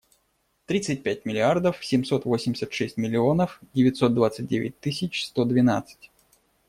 Тридцать пять миллиардов семьсот восемьдесят шесть миллионов девятьсот двадцать девять тысяч сто двенадцать.